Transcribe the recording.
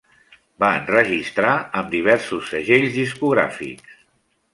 Va enregistrar amb diversos segells discogràfics.